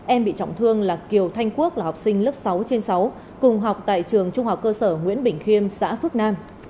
em bị trọng thương là kiều thanh quốc là học sinh lớp sáu trên sáu cùng học tại trường trung học cơ sở nguyễn bình khiêm xã phước nam